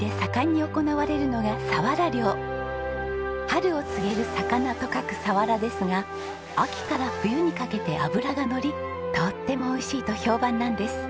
「春を告げる魚」と書く鰆ですが秋から冬にかけて脂がのりとても美味しいと評判なんです。